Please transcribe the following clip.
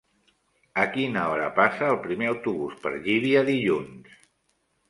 A quina hora passa el primer autobús per Llívia dilluns?